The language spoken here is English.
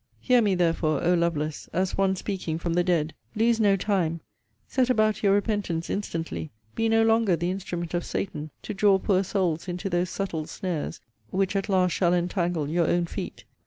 Hear me, therefore, O Lovelace! as one speaking from the dead. Lose no time set about your repentance instantly be no longer the instrument of Satan, to draw poor souls into those subtile snares, which at last shall entangle your own feet.